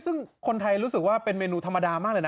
ซึ่งคนไทยรู้สึกว่าเป็นเมนูธรรมดามากเลยนะ